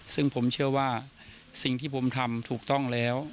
ซึ่งผมเชื่อว่าสิ่งที่ผมทำถูกต้องแล้ว